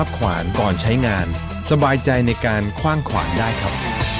ขวานก่อนใช้งานสบายใจในการคว่างขวานได้ครับ